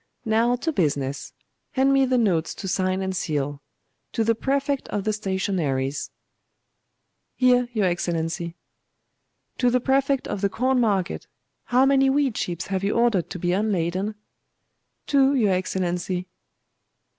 Now to business. Hand me the notes to sign and seal. To the Prefect of the Stationaries ' 'Here, your Excellency.' 'To the Prefect of the Corn market how many wheat ships have you ordered to be unladen?' 'Two, your Excellency.